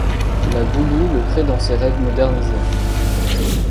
La Goulue le crée dans ses règles modernisées.